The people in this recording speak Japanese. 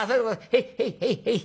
へいへいへいへい。